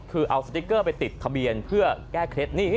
คือเอาสติ๊กเกอร์ไปติดทะเบียนเพื่อแก้เคล็ด